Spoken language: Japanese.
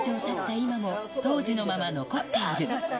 今も当時のまま残っている。